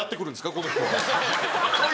この子は。